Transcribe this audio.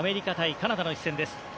カナダの一戦です。